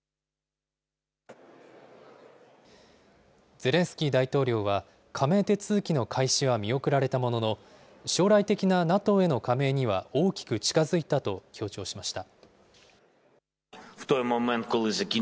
ゼレンスキー大統領は、加盟手続きの開始は見送られたものの、将来的なＮＡＴＯへの加盟には大きく近づいたと強調しました。